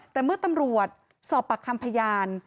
แต่เมื่อตำรวจสอบปากคำพยาน